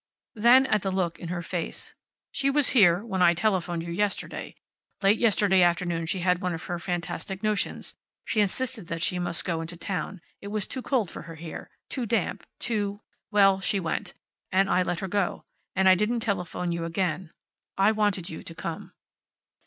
Then, at the look in her face, "She was here when I telephoned you yesterday. Late yesterday afternoon she had one of her fantastic notions. She insisted that she must go into town. It was too cold for her here. Too damp. Too well, she went. And I let her go. And I didn't telephone you again. I wanted you to come."